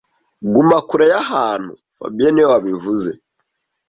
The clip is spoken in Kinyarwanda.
Guma kure y'ahantu fabien niwe wabivuze